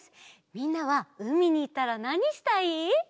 みんなはうみにいったらなにしたい？